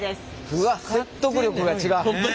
うわ説得力が違うね。